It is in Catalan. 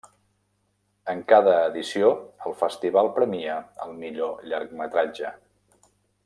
En cada edició el festival premia al millor llargmetratge.